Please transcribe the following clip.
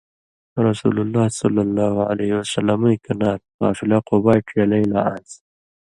رسول اللہ ﷺ ایں کَنار (قافلہ) قُبائے ڇېلَیں لا آن٘سیۡ